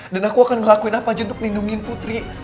dan aku akan ngelakuin apa aja untuk lindungin putri